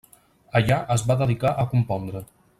Allà es va dedicar a compondre.